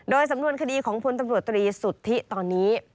สำนวนคดีของพลตำรวจตรีสุทธิตอนนี้